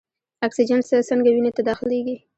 اکسیجن څنګه وینې ته داخلیږي؟